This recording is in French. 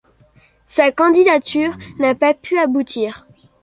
Sa candidature n'a pas pu aboutir.